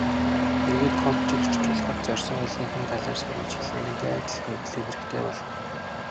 Эргээд кодчилж орчуулахад зорьсон хэлнийх нь талаар сурвалж хэлнийхтэй адил мэдлэг хэрэгтэй болно.